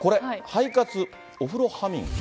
肺活、お風呂ハミング。